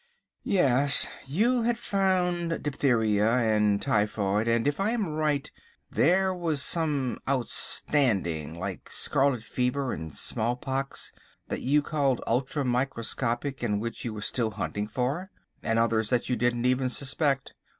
"Yes, you had found diphtheria and typhoid and, if I am right, there were some outstanding, like scarlet fever and smallpox, that you called ultra microscopic, and which you were still hunting for, and others that you didn't even suspect.